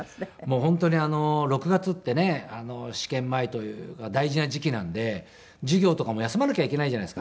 もう本当に６月ってね試験前という大事な時期なんで授業とかも休まなきゃいけないじゃないですか。